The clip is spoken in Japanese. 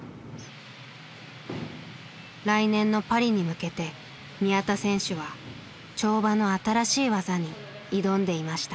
来年のパリに向けて宮田選手は跳馬の新しい技に挑んでいました。